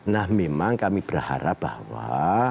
nah memang kami berharap bahwa